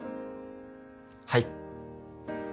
はい。